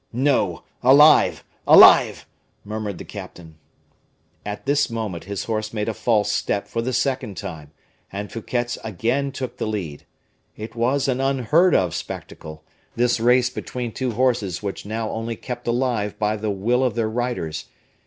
"No! alive alive!" murmured the captain. At this moment his horse made a false step for the second time, and Fouquet's again took the lead. It was an unheard of spectacle, this race between two horses which now only kept alive by the will of their riders.